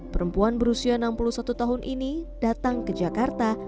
perempuan berusia enam puluh satu tahun ini datang ke jakarta